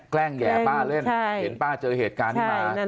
แกล้งแห่ป้าเล่นเห็นป้าเจอเหตุการณ์นี้มา